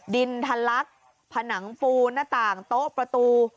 ดินทันลักษณ์ผนังฟูนหน้าต่างโต๊ะประตู